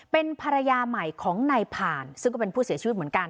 เป็นภรรยาใหม่ของนายผ่านซึ่งก็เป็นผู้เสียชีวิตเหมือนกัน